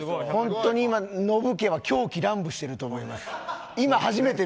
本当に今、ノブ家は狂喜乱舞してると思います。